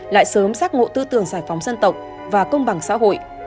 lại sớm xác ngộ tư tưởng giải phóng dân tộc và công bằng xã hội